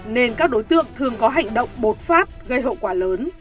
nên các đối tượng thường có hành động bột phát gây hậu quả lớn